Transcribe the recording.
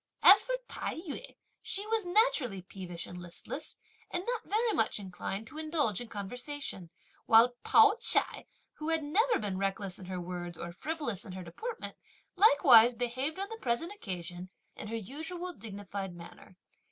As for Tai yü she was naturally peevish and listless, and not very much inclined to indulge in conversation; while Pao ch'ai, who had never been reckless in her words or frivolous in her deportment, likewise behaved on the present occasion in her usual dignified manner.